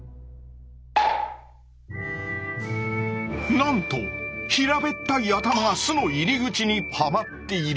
なんと平べったい頭が巣の入り口にはまっている。